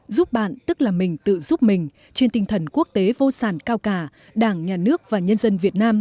giúp bạn tức là mình tự giúp mình trên tinh thần quốc tế vô sản cao cả đảng nhà nước và nhân dân việt nam